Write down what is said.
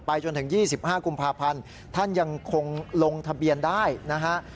จนถึง๒๕กุมภาพันธ์ท่านยังคงลงทะเบียนได้นะฮะ